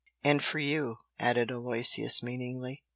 "And for you!" added Aloysius, meaningly.